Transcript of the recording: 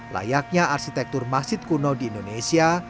layaknya arsitektur masjid kuno di indonesia